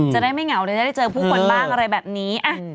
จะได้ไม่เหงาหรือจะได้เจอผู้คนบ้างอะไรแบบนี้